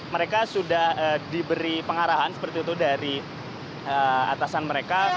mereka sudah diberi pengarahan seperti itu dari atasan mereka